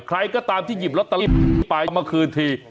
ใครก็ตามที่หยิบลอตเตอรี่ไปมาคืนที